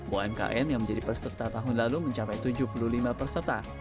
umkm yang menjadi peserta tahun lalu mencapai tujuh puluh lima peserta